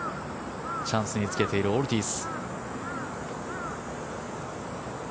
チャンスにつけているオルティーズ。